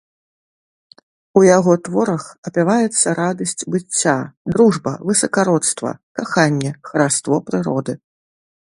У яго творах апяваецца радасць быцця, дружба, высакародства, каханне, хараство прыроды.